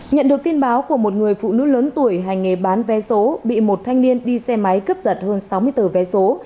nhận được tin báo của một người phụ nữ lớn tuổi hành nghề bán vé số bị một thanh niên đi xe máy cướp giật hơn sáu mươi tờ vé số